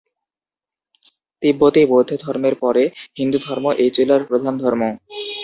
তিব্বতী বৌদ্ধ ধর্মের পরে হিন্দুধর্ম এই জেলার প্রধান ধর্ম।